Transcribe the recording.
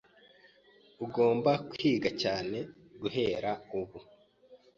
Uzagomba kwiga cyane guhera ubu.